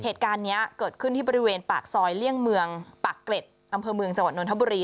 เหตุการณ์นี้เกิดขึ้นที่บริเวณปากซอยเลี่ยงเมืองปากเกร็ดอำเภอเมืองจังหวัดนทบุรี